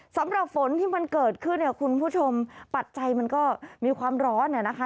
สำหรับฝนที่มันเกิดขึ้นเนี่ยคุณผู้ชมปัจจัยมันก็มีความร้อนเนี่ยนะคะ